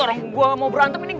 orang gua mau berantem ini